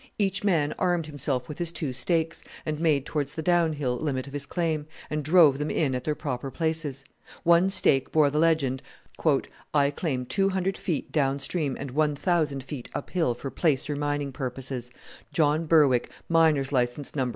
Each man armed himself with his two stakes, and made towards the down hill limit of his claim, and drove them in at their proper places. One stake bore the legend, "I claim 250 feet down stream and 1,000 feet up hill for placer mining purposes. John Berwick, Miner's License No.